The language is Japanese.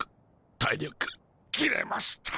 体力切れました。